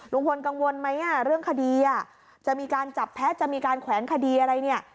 กังวลไหมเรื่องคดีจะมีการจับแพ้จะมีการแขวนคดีอะไรเนี่ย